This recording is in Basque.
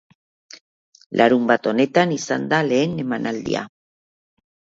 Larunbat honetan izan da lehen emanaldia.